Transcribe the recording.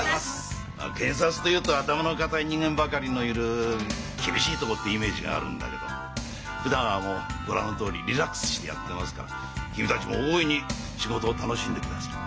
まあ検察というと頭の固い人間ばかりのいる厳しいとこってイメージがあるんだけどふだんはご覧のとおりリラックスしてやってますから君たちも大いに仕事を楽しんでください。